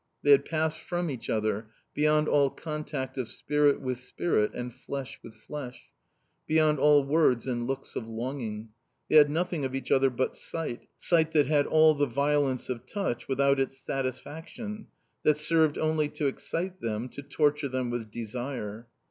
They had passed from each other, beyond all contact of spirit with spirit and flesh with flesh, beyond all words and looks of longing; they had nothing of each other but sight, sight that had all the violence of touch without its satisfaction, that served only to excite them, to torture them with desire.